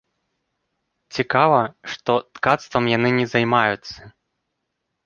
Цікава, што ткацтвам яны не займаюцца.